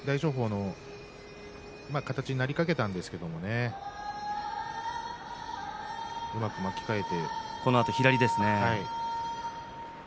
大翔鵬の形になりかけたんですけどもうまく巻き替えて。